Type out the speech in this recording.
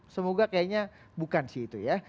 semoga kayaknya bukan sih itu ya